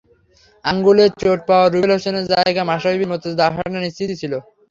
আঙুলে চোট পাওয়া রুবেল হোসেনের জায়গায় মাশরাফি বিন মুর্তজার আসাটা নিশ্চিতই ছিল।